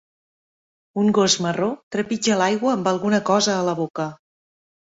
Un gos marró trepitja l'aigua amb alguna cosa a la boca.